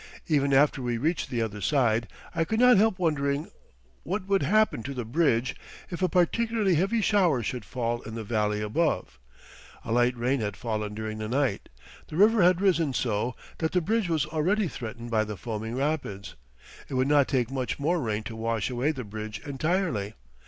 Even after we reached the other side I could not help wondering what would happen to the "bridge" if a particularly heavy shower should fall in the valley above. A light rain had fallen during the night. The river had risen so that the bridge was already threatened by the foaming rapids. It would not take much more rain to wash away the bridge entirely.